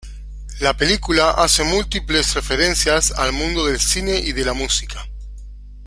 La película hace múltiples referencias al mundo del cine y de la música.